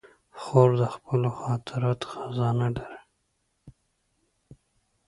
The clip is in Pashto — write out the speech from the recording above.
خور د خپلو خاطرو خزانه لري.